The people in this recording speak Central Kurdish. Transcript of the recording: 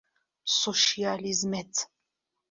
سۆشیالیزمت